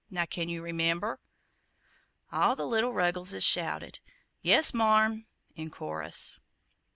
Now, can you remember?" All the little Ruggleses shouted, "Yes, marm," in chorus.